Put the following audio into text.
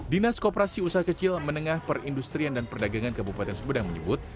dinas koperasi usaha kecil menengah perindustrian dan perdagangan kabupaten sumedang menyebut